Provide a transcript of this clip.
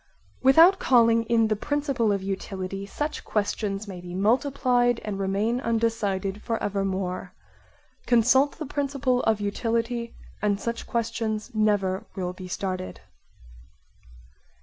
Without calling in the principle of utility such questions may be multiplied and remain undecided for evermore; consult the principle of utility, and such questions never will be started.